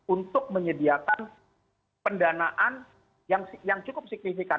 untuk menyediakan pendanaan yang cukup signifikan